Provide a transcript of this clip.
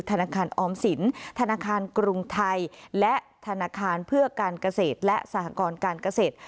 ธนาคารออมสินธนาคารกรุงไทยและธนาคารเพื่อการเกษตรและสหกรการเกษตร